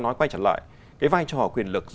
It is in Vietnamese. nói quay trở lại cái vai trò quyền lực